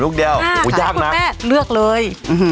คุณแม่เลือกเลย